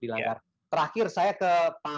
dilanggar terakhir saya ke pak